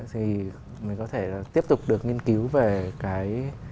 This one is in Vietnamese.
thì mình có thể là tiếp tục được nghiên cứu về cái